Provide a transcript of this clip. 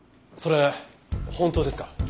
それ本当ですか？